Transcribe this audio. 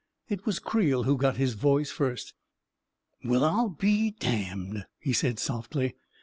It was Creel who got his voice first. M Well, m be damned! " he said softly.